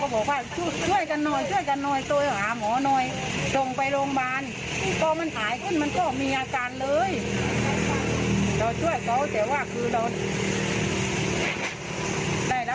มันจะเอาไว้หนูกว้างอันนี้กว้าง